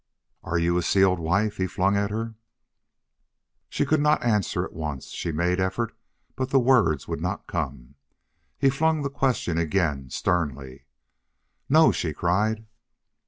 "Are you a sealed wife?" he flung at her. She could not answer at once. She made effort, but the words would not come. He flung the question again, sternly. "No!" she cried.